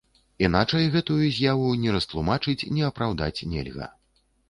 Іначай гэтую з'яву ні растлумачыць, ні апраўдаць нельга.